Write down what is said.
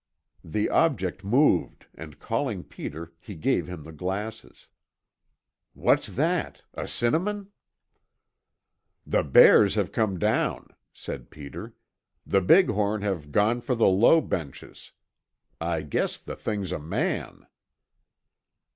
The object moved, and calling Peter, he gave him the glasses. "What's that? A cinnamon?" "The bears have come down," said Peter. "The big horn have gone for the low benches. I guess the thing's a man."